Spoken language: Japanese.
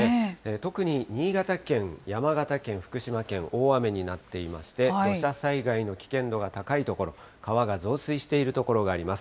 特に新潟県、山形県、福島県、大雨になっていまして、土砂災害の危険度が高い所、川が増水している所があります。